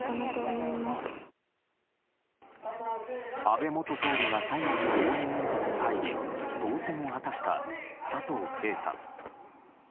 安倍元総理が最後に応援演説に入り当選を果たした佐藤啓さん。